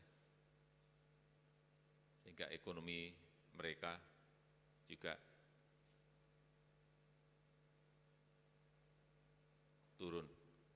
sehingga ekonomi mereka juga turun